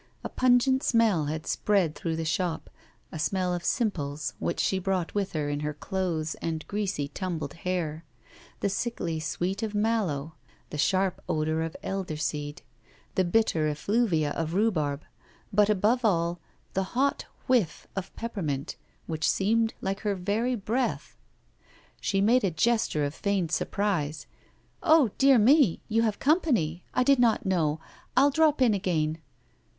A pungent smell had spread through the shop, a smell of simples, which she brought with her in her clothes and greasy, tumbled hair; the sickly sweetness of mallow, the sharp odour of elderseed, the bitter effluvia of rhubarb, but, above all, the hot whiff of peppermint, which seemed like her very breath. She made a gesture of feigned surprise. 'Oh, dear me! you have company I did not know; I'll drop in again.